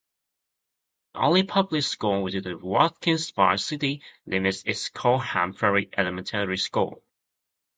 The only public school within the Watkinsville city limits is Colham Ferry Elementary School.